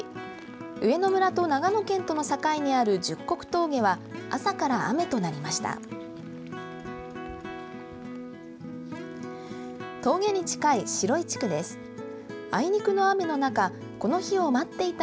上野村と長野県との境にある十石峠は、朝から雨となりました。